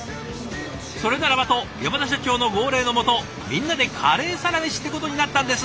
それならばと山田社長の号令の下みんなでカレーサラメシってことになったんです。